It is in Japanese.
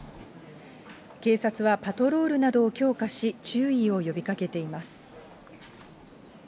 警察はパトロールなどを強化し、注意を呼びかけています。